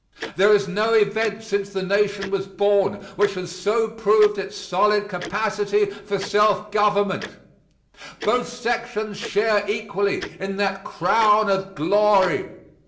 There is no event since the nation was born which has so proved its solid capacity for self government. Both sections share equally in that crown of glory.